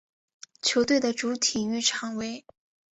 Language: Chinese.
球队的主体育场为。